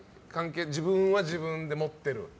自分は自分で持っている？